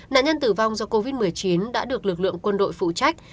nạn nhân tử vong do covid một mươi chín đã được lực lượng quân đội phụ trách